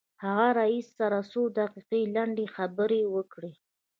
هغه له رئيس سره څو دقيقې لنډې خبرې وکړې.